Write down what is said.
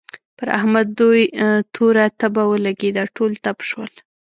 پر احمد دوی توره تبه ولګېده؛ ټول تپ شول.